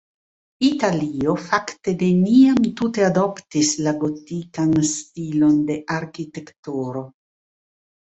Italio fakte neniam tute adoptis la gotikan stilon de arkitekturo.